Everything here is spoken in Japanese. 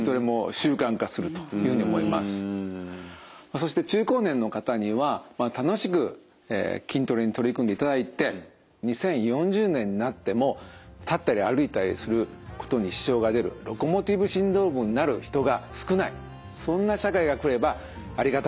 そして中高年の方には楽しく筋トレに取り組んでいただいて２０４０年になっても立ったり歩いたりすることに支障が出るロコモティブシンドロームになる人が少ないそんな社会が来ればありがたいです。